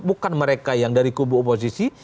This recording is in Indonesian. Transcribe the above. bukan mereka yang dari kubu oposisi